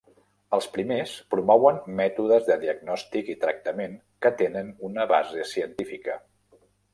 Els primers promouen mètodes de diagnòstic i tractament que tenen una base científica.